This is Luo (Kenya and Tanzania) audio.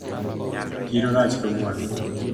Chiro rach kawuono